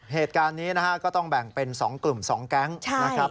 เหตุการณ์นี้นะฮะก็ต้องแบ่งเป็น๒กลุ่ม๒แก๊งนะครับ